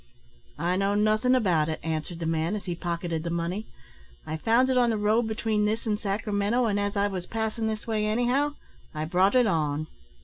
"I know nothin' about it," answered the man, as he pocketed the money; "I found it on the road between this an' Sacramento, and, as I was passin' this way anyhow, I brought it on."